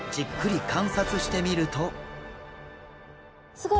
すごい。